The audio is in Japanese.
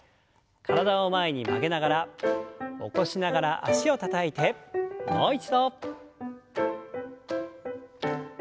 体を前に曲げながら起こしながら脚をたたいてもう一度。